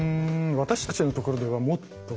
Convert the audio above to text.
私たちのところではもっと。